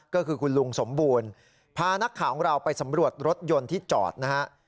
ก็คือคุณลุงสมบูรณ์พานักข่าวของเราไปสำรวจรถยนต์ที่จอดนะฮะ